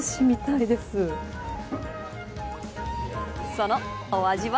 そのお味は。